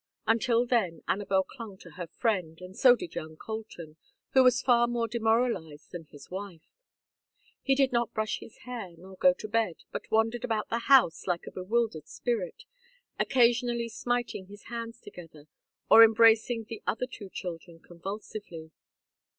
Until then Anabel clung to her friend, and so did young Colton, who was far more demoralized than his wife. He did not brush his hair, nor go to bed, but wandered about the house like a bewildered spirit, occasionally smiting his hands together, or embracing the other two children convulsively.